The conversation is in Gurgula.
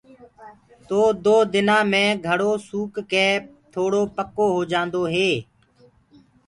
تو دو دن مي گھڙو سوڪ ڪآ توڙو پڪو هوجآندو هآ۔